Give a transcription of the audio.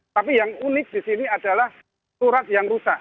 tapi yang unik di sini adalah surat yang rusak